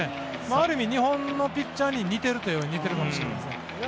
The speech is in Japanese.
ある意味、日本のピッチャーに似ているといえば似ているかもしれません。